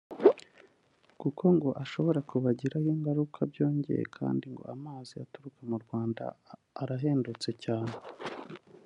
kuko ngo ashobora kubagiraho ingaruka byongeye kandi ngo amazi aturuka mu Rwanda arahendutse cyane